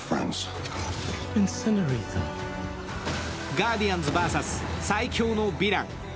ガーディアンズＶＳ最強のヴィラン。